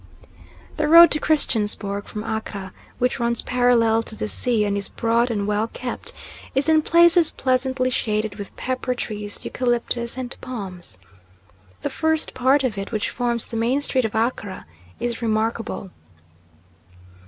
The road to Christiansborg from Accra, which runs parallel to the sea and is broad and well kept, is in places pleasantly shaded with pepper trees, eucalyptus, and palms. The first part of it, which forms the main street of Accra, is remarkable.